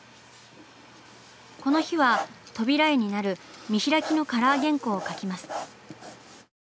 この日は扉絵になる見開きのカラー原稿を描きます。